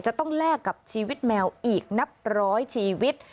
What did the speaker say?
จะต้องแลกกับชีวิตแมวอีกนับร้อยชีวิต